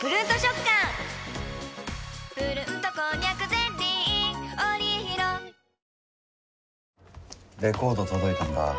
残り２つレコード届いたんだ